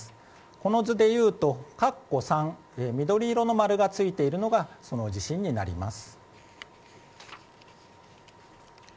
この図でいうと、かっこ３緑色の丸がついているのがその地震になります。